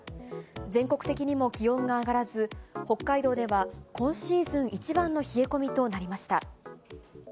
全国的にも気温が上がらず、北海道では今シーズン一番の冷え込みとなりました。